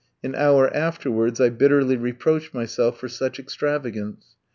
An hour afterwards I bitterly reproached myself for such extravagance.